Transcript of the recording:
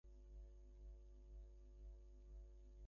Diabetes হলেও আম থেকে দূরে থাকা যায় না।